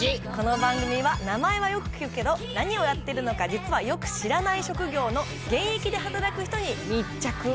この番組は名前はよく聞くけど何をやってるのか実はよく知らない職業の現役で働く人に密着。